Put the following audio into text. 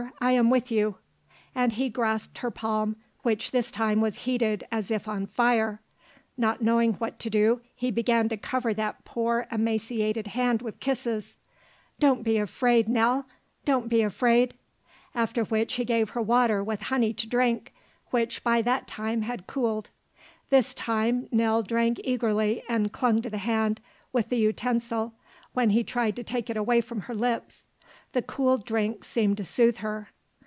I am with you." And he grasped her palm which this time was heated as if on fire; not knowing what to do he began to cover that poor, emaciated hand with kisses. "Don't be afraid, Nell! don't be afraid!" After which he gave her water with honey to drink, which by that time had cooled. This time Nell drank eagerly and clung to the hand with the utensil when he tried to take it away from her lips. The cool drink seemed to soothe her.